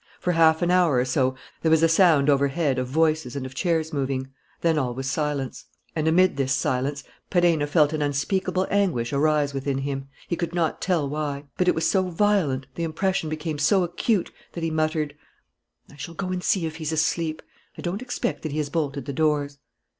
For half an hour or so there was a sound overhead of voices and of chairs moving. Then all was silence. And, amid this silence, Perenna felt an unspeakable anguish arise within him, he could not tell why. But it was so violent, the impression became so acute, that he muttered: "I shall go and see if he's asleep. I don't expect that he has bolted the doors."